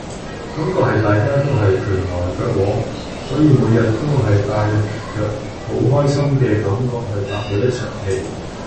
感覺係大家都係拳來腳往，所以每日都係帶着好開心嘅感覺去拍每一場戲